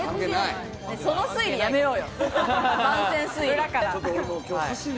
その推理やめようよ。